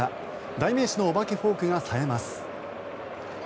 代名詞のお化けフォークが冴えます。